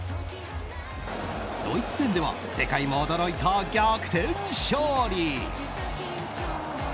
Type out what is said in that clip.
ドイツ戦では世界も驚いた逆転勝利！